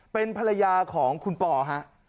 เป็นภรรยาของคุณปอฮะ